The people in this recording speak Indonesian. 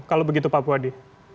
kalau begitu pak puadi